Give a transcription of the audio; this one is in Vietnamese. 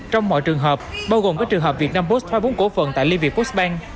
trong mọi trường hợp bao gồm các trường hợp việt nam post hai mươi bốn cố phần tại liên viện postbank